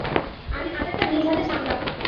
আমি আচারটা নিজ হাতে সামলাব।